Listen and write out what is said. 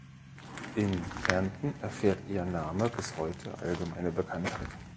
In Kärnten erfährt ihr Name bis heute allgemeine Bekanntheit.